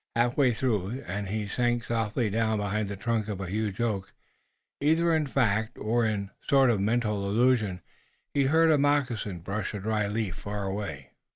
Halfway through and he sank softly down behind the trunk of a huge oak. Either in fact or in a sort of mental illusion, he had heard a moccasin brush a dry leaf far away.